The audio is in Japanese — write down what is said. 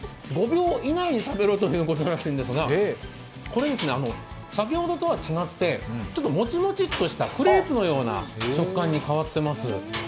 ５、４、３、２、１５秒以内に食べろということなんだそうですが先ほどとは違ってちょっともちもちっとしたクレープのような食感に変わってます。